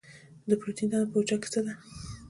د پروټین دنده په حجره کې څه ده؟